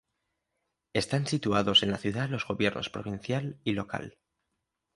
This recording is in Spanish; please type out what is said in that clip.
Están situados en la ciudad los gobiernos provincial y local.